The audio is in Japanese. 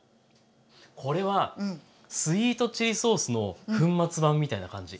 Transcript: これはスイートチリソースの粉末版みたいな感じ。